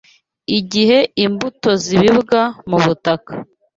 Igihe imbuto zibibwa mu butaka